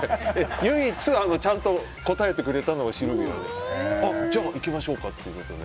唯一ちゃんと答えてくれたのがシルビアでじゃあ行きましょうかということで。